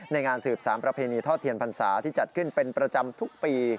งานสืบสารประเพณีทอดเทียนพรรษาที่จัดขึ้นเป็นประจำทุกปี